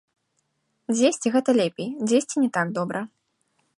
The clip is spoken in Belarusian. Дзесьці гэта лепей, дзесьці не так добра.